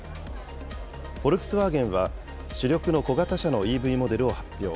フォルクスワーゲンは、主力の小型車のＥＶモデルを発表。